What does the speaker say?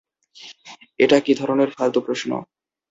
এটা কী ধরনের ফালতু প্রশ্ন?